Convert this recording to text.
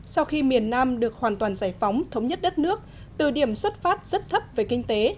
sau khi miền nam được hoàn toàn giải phóng thống nhất đất nước từ điểm xuất phát rất thấp về kinh tế